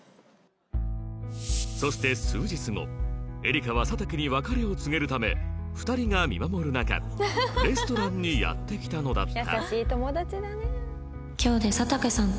そして数日後エリカは佐竹に別れを告げるため２人が見守る中レストランにやって来たのだった